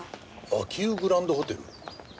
秋保グランドホテル？